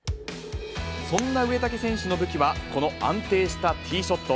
そんな植竹選手の武器は、この安定したティーショット。